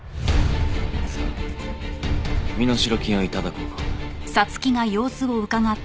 さあ身代金を頂こうか。